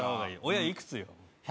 親、いくつよ？